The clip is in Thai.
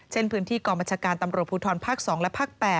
เช่นพื้นที่กองบัญชาการตำรวจภูทรภาค๒และภาค๘